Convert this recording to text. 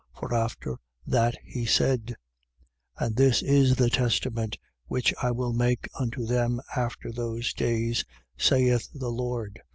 For after that he said: 10:16. And this is the testament which I will make unto them after those days, saith the Lord.